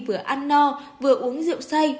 vừa ăn no vừa uống rượu say